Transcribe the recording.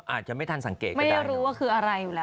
อาจจะไม่ทันสังเกตก็ได้รู้ว่าคืออะไรอยู่แล้ว